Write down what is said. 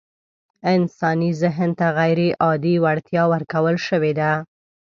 انساني ذهن ته غيرعادي وړتيا ورکول شوې ده.